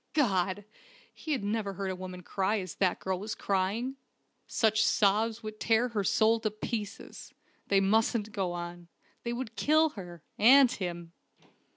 God! he had never heard a woman cry as that girl was crying! Such sobs would tear her soul to pieces. They mustn't go on. They would kill her and him!